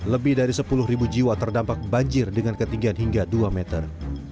lebih dari sepuluh jiwa terdampak banjir dengan ketinggian hingga dua meter